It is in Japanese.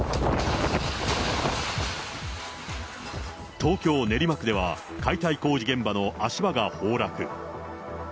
東京・練馬区では解体工事現場の足場が崩落。